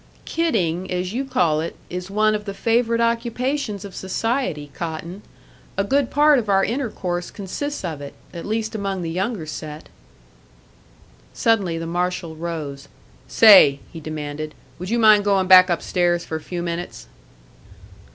"'Kidding,' as you call it, is one of the favourite occupations of society, Cotton. A good part of our intercourse consists of it at least among the younger set." Suddenly the marshal rose. "Say," he demanded, "would you mind going back upstairs for a few minutes?"